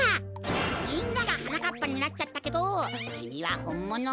みんながはなかっぱになっちゃったけどきみはほんもの？